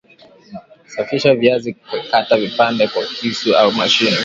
Safisha viazi kata vipande kwa kisu au mashine